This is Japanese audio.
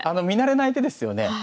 見慣れない手ですよね。